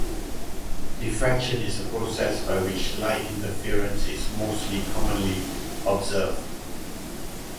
Diffraction is the process by which light interference is most commonly observed.